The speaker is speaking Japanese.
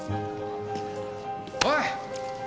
おい。